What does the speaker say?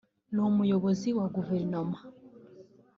n’umuyobozi wa guverinoma